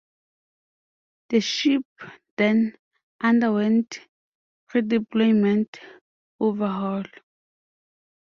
The ship then underwent predeployment overhaul.